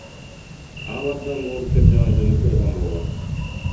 Ал абдан боорукер жана жөнөкөй адам болгон.